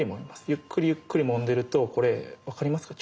ゆっくりゆっくりもんでいるとこれ分かりますか？